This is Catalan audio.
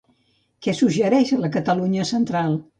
Què suggereix la de Catalunya Central?